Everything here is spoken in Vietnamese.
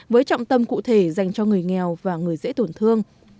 với trọng tâm cụ thể dành cho người nghèo và người dễ tổn thương